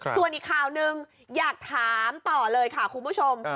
ส่วนอีกข่าวหนึ่งอยากถามต่อเลยค่ะคุณผู้ชม